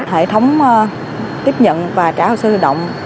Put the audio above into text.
hệ thống tiếp nhận và trả hồ sơ lưu động